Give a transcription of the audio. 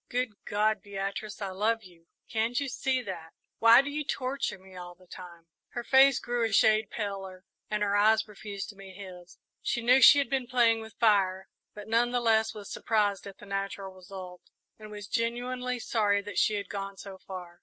"Good God, Beatrice, I love you can't you see that? Why do you torture me all the time?" Her face grew a shade paler, and her eyes refused to meet his. She knew she had been playing with fire, but none the less was surprised at the natural result, and was genuinely sorry that she had gone so far.